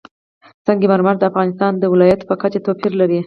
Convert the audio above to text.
سنگ مرمر د افغانستان د ولایاتو په کچه توپیر لري.